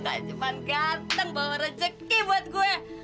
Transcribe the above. gak cuma ganteng bawa rezeki buat gue